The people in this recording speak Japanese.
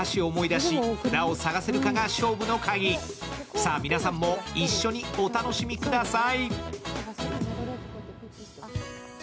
さあ、皆さんも一緒にお楽しみください。